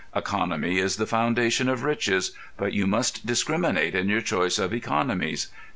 Economy is the foundation of riches, but you must discriminate in your choice of economies.